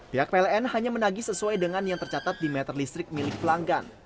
pihak pln hanya menagi sesuai dengan yang tercatat di meter listrik milik pelanggan